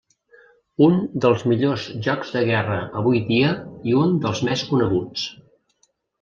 Un dels millors jocs de guerra avui dia i un dels més coneguts.